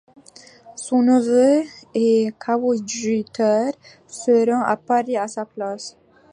Son neveu et coadjuteur se rend à Paris à sa place.